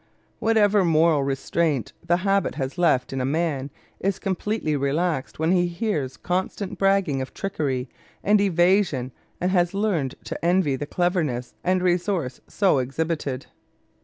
Whatever moral restraint the habit has left in a man is completely relaxed when he hears constant bragging of trickery and evasion and has learned to envy the cleverness and resource so exhibited.